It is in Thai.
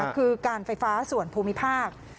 คือการไฟฟ้าส่วนภูมิภาค